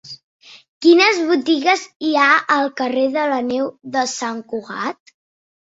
Quines botigues hi ha al carrer de la Neu de Sant Cugat?